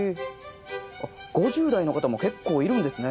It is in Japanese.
５０代の方も結構いるんですね。